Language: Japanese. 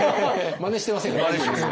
まねしてません？